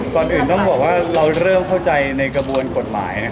ตอนอื่นต้องบอกก็เราเข้าใจในกระบวนกฎหมาย